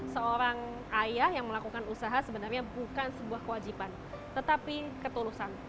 seorang ayah yang melakukan usaha sebenarnya bukan sebuah kewajiban tetapi ketulusan